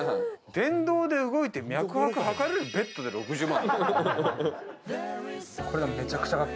電動で動いて脈拍測れるベッドで６０万。